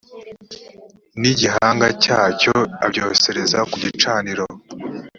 n igihanga cyacyo abyosereza ku gicaniro